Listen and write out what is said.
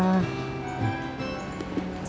aku cintanya dia